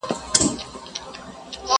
له آسمانه هاتف ږغ کړل چي احمقه!